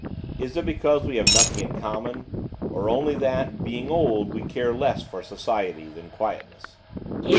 Is it because we have nothing in common; or only that, being old, we care less for society, than quietness?